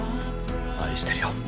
愛してるよ。